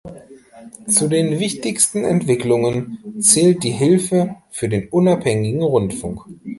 Zu den wichtigsten Entwicklungen zählt die Hilfe für den unabhängigen Rundfunk.